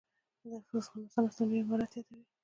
«د افغانستان اسلامي امارت» یادوي.